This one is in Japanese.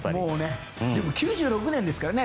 でも９６年ですからね。